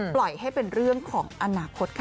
ปล่อยให้เป็นเรื่องของอนาคตค่ะ